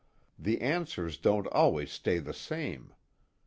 The answers don't always stay the same.